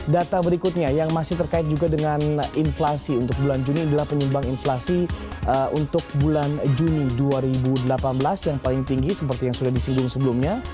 data berikutnya yang masih terkait juga dengan inflasi untuk bulan juni adalah penyumbang inflasi untuk bulan juni dua ribu delapan belas yang paling tinggi seperti yang sudah disinggung sebelumnya